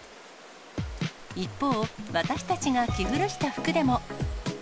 一方、私たちが着古した服でも。